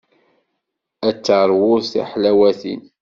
Ad teṛwu tiḥlawatin.